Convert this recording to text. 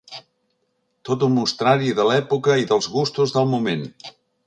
Tot un mostrari de l'època i dels gustos del moment.